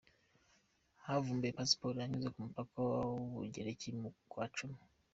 Havumbuwe Pasiporo yanyuze ku mupaka w’Ubugereki mu kwa Cumi .